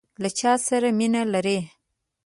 له چاسره مینه لرئ؟